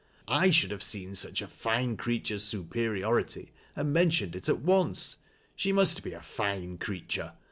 I should have sieoi. such a fine creature's superiority, and mentioned it a! once. She must be a fine creature.